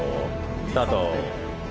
スタート。